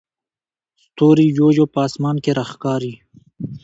ستوري یو یو په اسمان کې راښکاري.